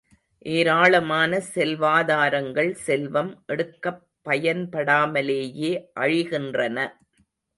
ஏராளமான செல்வாதாரங்கள், செல்வம் எடுக்கப் பயன்படாமலேயே அழிகின்றன.